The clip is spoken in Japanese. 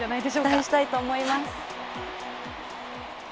期待したいと思います。